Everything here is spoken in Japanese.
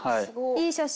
いい写真。